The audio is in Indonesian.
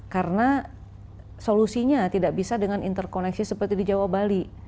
karena solusinya tidak bisa dengan interkoneksi seperti di jawa bali